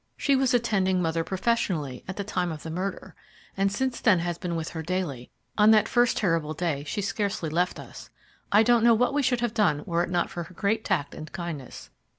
She was attending mother professionally at the time of the murder, and since then has been with her daily. On that first terrible day she scarcely left us. I don't know what we should have done were it not for her great tact and kindness.